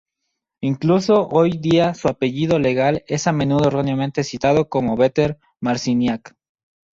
Incluso hoy día su apellido legal es a menudo erróneamente citado como "Vetter-Marciniak".